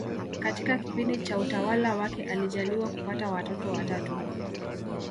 Katika kipindi cha utawala wake alijaliwa kupata watoto watatu